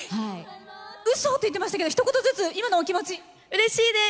うそって言ってましたけどひと言ずつうれしいです！